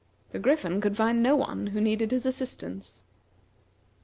The Griffin could find no one who needed his assistance.